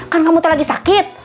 kan kamu tuh lagi sakit